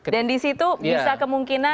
dan di situ bisa kemungkinan yang